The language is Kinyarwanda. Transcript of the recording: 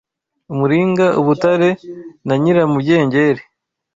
umuringa ubutare na nyiramugengeri